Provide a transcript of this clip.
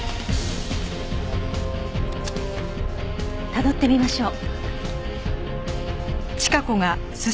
たどってみましょう。